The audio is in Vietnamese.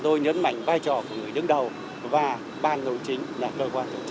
tôi nhấn mạnh vai trò của người đứng đầu và ban đầu chính là cơ quan